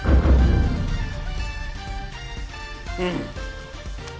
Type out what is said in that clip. うん。